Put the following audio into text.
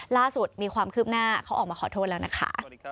ล่าสุดมีความคืบหน้าเขาออกมาขอโทษแล้วนะคะ